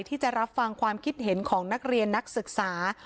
ที่จะรับฟังความคิดเห็นของนักเรียนนักศึกษา